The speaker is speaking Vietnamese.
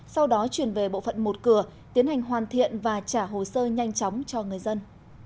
sau đó chuyển về bộ phận một cửa tiến hành hoàn thiện và trả hồ sơ nhanh chóng cho người dân